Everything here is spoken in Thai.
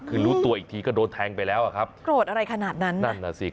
คือรู้ตัวอีกทีก็โดนแทงไปแล้วครับโกรธอะไรขนาดนั้น